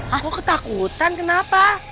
loh kok ketakutan kenapa